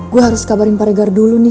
gue harus kabarin paregar dulu nih